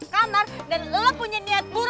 nggak ada buktinya nyomut